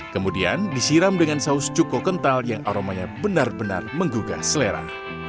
kemudian disiram dengan saus cuko kental yang aromanya benar benar menggugah selera